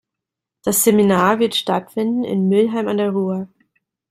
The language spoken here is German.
Das Seminar wird stattfinden in Mülheim an der Ruhr.